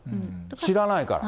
知らないから。